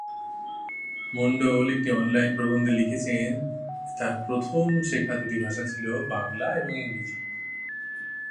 মন্ডল একটি অনলাইন প্রবন্ধে লিখেছেন যে তাঁর প্রথম শেখা দুটি ভাষা ছিল বাংলা এবং ইংরেজি।